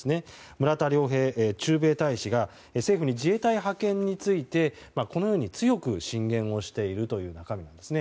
村田良平駐米大使が政府に自衛隊派遣についてこのように強く進言をしているという中身ですね。